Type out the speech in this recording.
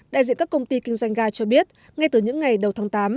đại diện các công ty kinh doanh ga cho biết ngay từ những ngày đầu tháng tám